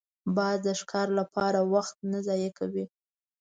باز د ښکار لپاره وخت نه ضایع کوي